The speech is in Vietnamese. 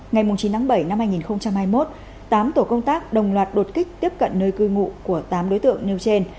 ngày chín tháng bảy năm hai nghìn hai mươi một tám tổ công tác đồng loạt đột kích tiếp cận nơi cư ngụ của tám đối tượng nêu trên